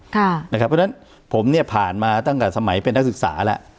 เพราะฉะนั้นผมเนี่ยผ่านมาตั้งแต่สมัยเป็นนักศึกษาแล้ว